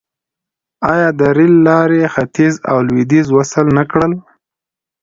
آیا د ریل لارې ختیځ او لویدیځ وصل نه کړل؟